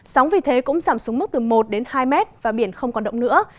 sóng vì thế cũng giảm xuống mức từ một đến hai mét và biển không còn động nữa